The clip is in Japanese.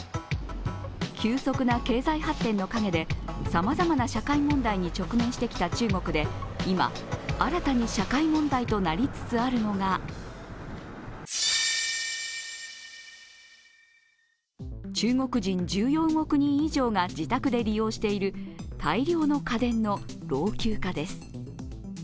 急速な経済発展の陰でさまざまな社会問題に直面してきた中国で、今、新たに社会問題となりつつあるのが中国人１４億人以上が自宅で利用している大量の家電の老朽化です。